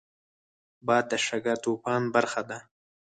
باد د شګهطوفان برخه ده